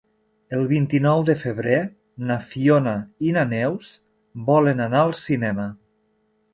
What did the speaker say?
El vint-i-nou de febrer na Fiona i na Neus volen anar al cinema.